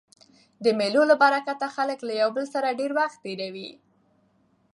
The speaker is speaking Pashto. د مېلو له برکته خلک له یو بل سره ډېر وخت تېروي.